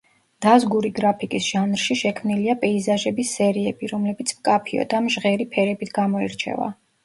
დაზგური გრაფიკის ჟანრში შექმნილია პეიზაჟების სერიები, რომლებიც მკაფიო და მჟღერი ფერებით გამოირჩევა.